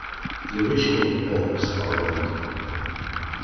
The original locks are wide.